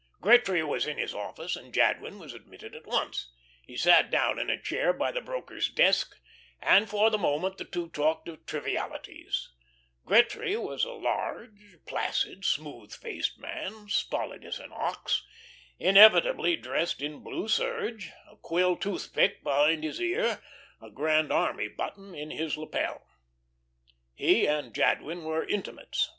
Gretry was in his office, and Jadwin was admitted at once. He sat down in a chair by the broker's desk, and for the moment the two talked of trivialities. Gretry was a large, placid, smooth faced man, stolid as an ox; inevitably dressed in blue serge, a quill tooth pick behind his ear, a Grand Army button in his lapel. He and Jadwin were intimates.